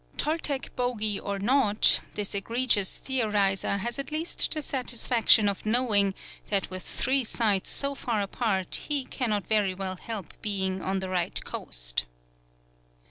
Toltec bogy or not, this egregious theoriser has at least the satisfaction of knowing that with three sites so far apart he cannot very well help being on the right coast.